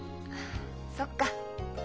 そっか。